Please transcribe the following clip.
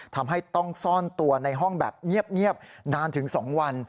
ทำให้ต้องซ่อนตัวในห้องแบบเงียบนานถึง๒วัน